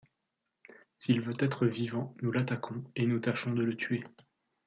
S’il veut être vivant, nous l’attaquons, et nous tâchons de le tuer.